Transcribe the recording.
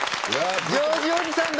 ジョージおじさんだ！